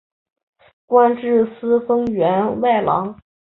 官至司封员外郎。